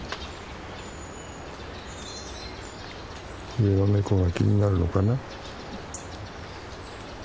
上のネコが気になるのかな。